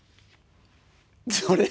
それ？